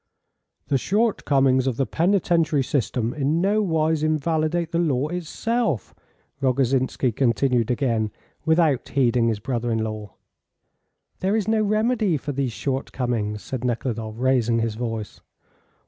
"The shortcomings of the penitentiary system in nowise invalidate the law itself," Rogozhinsky continued again, without heeding his brother in law. "There is no remedy for these shortcomings," said Nekhludoff, raising his voice.